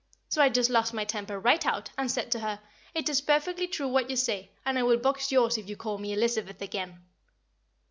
So I just lost my temper right out, and said to her, "It is perfectly true what you say, and I will box yours if you call me 'Elizabeth' again!"